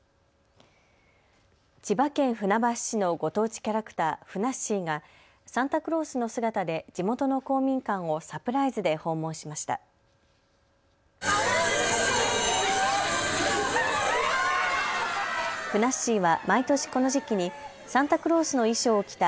千葉県船橋市のご当地キャラクター、ふなっしーがサンタクロースの姿で地元の公民館をサプライズで訪問しました。